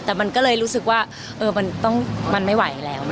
แต่มันก็เลยรู้สึกว่ามันไม่ไหวแล้ว